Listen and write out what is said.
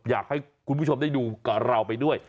อยากให้คุณผู้ชมได้ดูกับเราไปด้วย